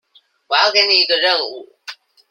我要給你一個任務